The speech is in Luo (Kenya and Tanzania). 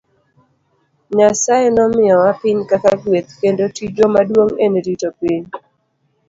Nyasaye nomiyowa piny kaka gweth, kendo tijwa maduong' en rito piny.